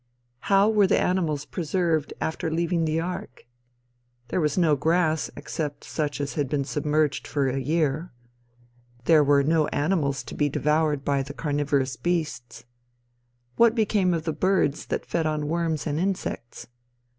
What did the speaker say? How were the animals preserved after leaving the ark? There was no grass except such as had been submerged for a year. There were no animals to be devoured by the carnivorous beasts. What became of the birds that fed on worms and insects?